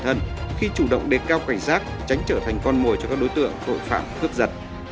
hãy đăng ký kênh để ủng hộ kênh của mình nhé